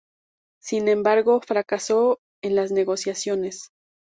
Sin embargo, fracasó en las negociaciones.